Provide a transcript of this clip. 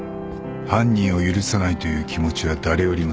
犯人を許さないという気持ちは誰よりも強い。